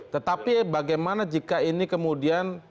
tetapi bagaimana jika ini kemudian